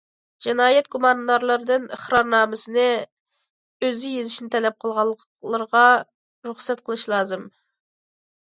جىنايەت گۇماندارلىرىدىن ئىقرارنامىسىنى ئۆزى يېزىشنى تەلەپ قىلغانلىرىغا رۇخسەت قىلىش لازىم.